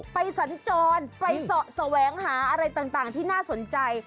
สัญจรไปเสาะแสวงหาอะไรต่างที่น่าสนใจ